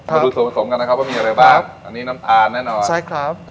มาดูส่วนผสมกันนะครับว่ามีอะไรบ้างอันนี้น้ำตาลแน่นอนใช่ครับ